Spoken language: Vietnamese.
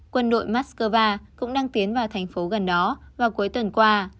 quân đội moscow cũng đang tiến vào thành phố gần đó vào cuối tuần qua